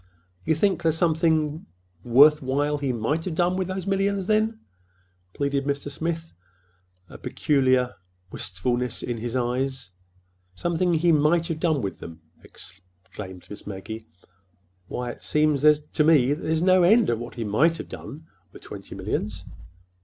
"You think—there's something worth while he might have done with those millions, then?" pleaded Mr. Smith, a sudden peculiar wistfulness in his eyes. "Something he might have done with them!" exclaimed Miss Maggie. "Why, it seems to me there's no end to what he might have done—with twenty millions."